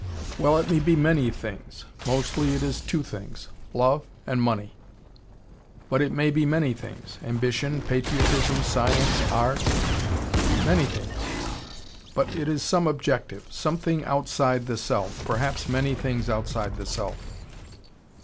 "Well it may be many things. Mostly it is two things. love, and money. But it may be many things: ambition, patriotism, science, art many things. But it is some objective. Something outside the self. Perhaps many things outside the self."